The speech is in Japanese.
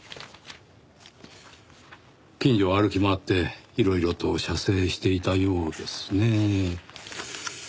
近所を歩き回っていろいろと写生していたようですねぇ。